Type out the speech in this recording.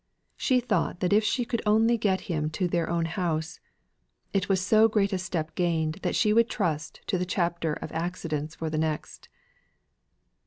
She thought that if she could only get him to their own house, it was so great a step gained that she would trust to the chapter of accidents for the next.